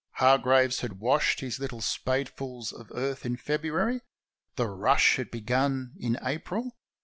Hargraves had washed his little spadefuls of earth in February. The " rush " had begun in April.